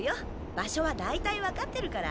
場所は大体分かってるから。